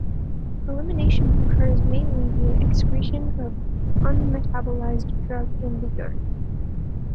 Elimination occurs mainly via excretion of unmetabolized drug in the urine.